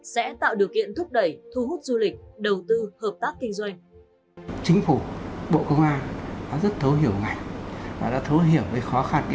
sẽ tạo điều kiện thúc đẩy thu hút du lịch đầu tư hợp tác kinh doanh